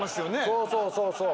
そうそうそうそう。